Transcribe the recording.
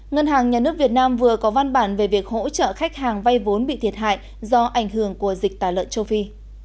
ngân hàng nhà nước việt nam vừa có văn bản về việc hỗ trợ khách hàng vay vốn bị thiệt hại do ảnh hưởng của dịch tả lợn châu phi